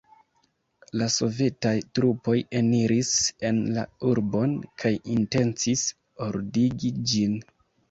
La sovetaj trupoj eniris en la urbon kaj intencis ordigi ĝin.